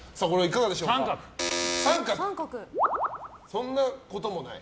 そんなこともない？